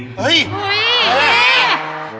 เฮ้ย